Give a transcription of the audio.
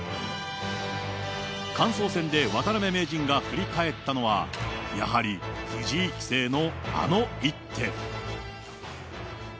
感想戦で渡辺名人が振り返ったのは、やはり藤井棋聖のあの一手。